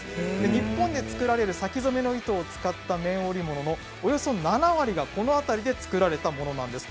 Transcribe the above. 日本で作られる先染めの糸を使った綿織物のおよそ７割がこの辺りで作られたものなんです。